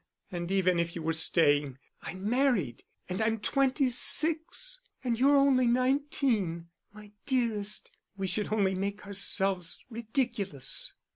And even if you were staying, I'm married and I'm twenty six and you're only nineteen. My dearest, we should only make ourselves ridiculous."